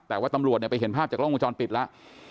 แต่ว่าตำรวจไปเห็นภาพจากกล้องวงจรปิดแล้ว